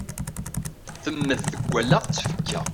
Temmed deg wallaɣ d tfekka.